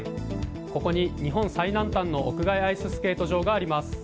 ここに日本最南端の屋外アイススケート場があります。